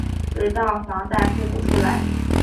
直到房贷付不出来